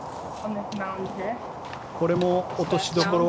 これも落としどころは。